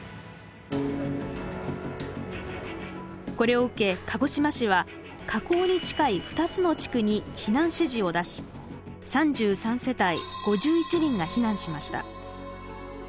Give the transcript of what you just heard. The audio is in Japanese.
これを受け鹿児島市は火口に近い２つの地区に避難指示を出し３３世帯５１人が避難しました。